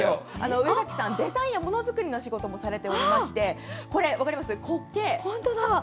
上垣さん、デザインやものづくりの仕事もされておりまして、これ分かります？